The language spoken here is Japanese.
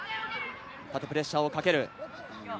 縦プレッシャーをかける。